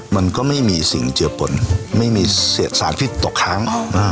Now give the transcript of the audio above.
มันก็ไม่มีสิ่งเจือปนไม่มีเศษสารพิษตกค้าง